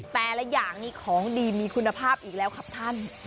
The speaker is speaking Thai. แต่ละอย่างนี้ของดีมีคุณภาพอีกแล้วครับท่าน